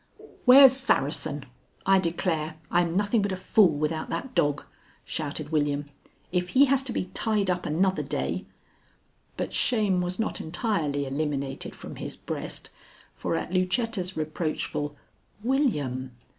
"Where's Saracen? I declare I'm nothing but a fool without that dog," shouted William. "If he has to be tied up another day " But shame was not entirely eliminated from his breast, for at Lucetta's reproachful "William!"